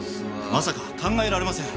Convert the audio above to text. まさか考えられません。